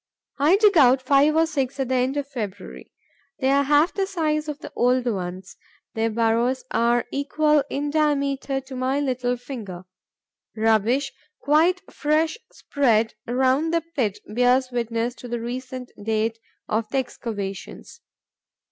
I dig out five or six at the end of February. They are half the size of the old ones; their burrows are equal in diameter to my little finger. Rubbish quite fresh spread around the pit bears witness to the recent date of the excavations.